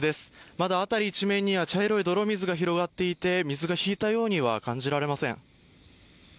まだ辺り一面には茶色い泥水が広がっていて水が引いたようには感じられません。